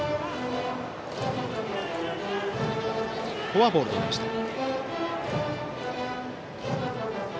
フォアボールとなりました。